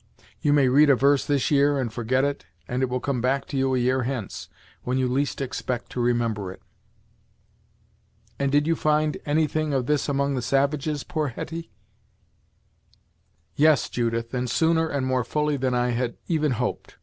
You may read a verse this year, and forget it, and it will come back to you a year hence, when you least expect to remember it." "And did you find any thing of this among the savages, poor Hetty?" "Yes, Judith, and sooner and more fully than I had even hoped.